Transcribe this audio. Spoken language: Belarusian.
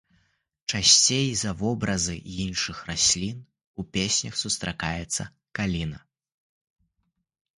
Часцей за вобразы іншых раслін у песнях сустракаецца каліна.